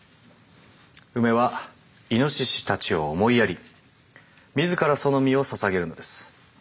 ウメはイノシシたちを思いやり自らその身をささげるのです。